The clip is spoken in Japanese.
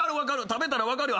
食べたら分かるよ。